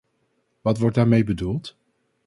Wat wordt daarmee bedoeld?